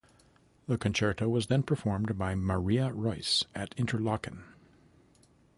The concerto was then performed by maria Royce at Interlochen.